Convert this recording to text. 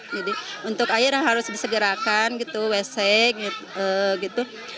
jadi untuk air harus disegerakan gitu wc gitu